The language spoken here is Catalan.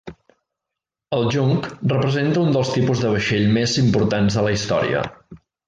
El junc representa un dels tipus de vaixell més importants de la història.